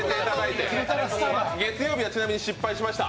月曜日はちなみに失敗しました。